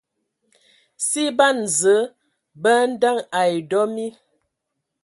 Si ban Zǝə bə andəŋ ai dɔ mi.